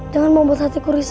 jangan membuat hatiku risau